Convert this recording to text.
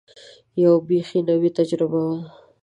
یوه بېخي نوې تجربه وه.